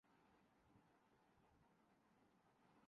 کس دل ربا کے نام پہ خالی سبو کریں